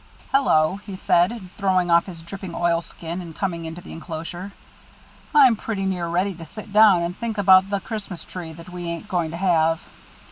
"Hello," he said, throwing off his dripping oilskin, and coming into the enclosure; "I'm pretty near ready to sit down and think about the Christmas tree that we ain't going to have."